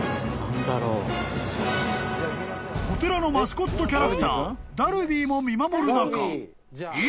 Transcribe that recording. ［お寺のマスコットキャラクターダルヴィーも見守る中］